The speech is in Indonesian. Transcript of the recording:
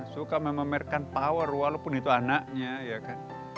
suka memamerkan power walaupun itu anaknya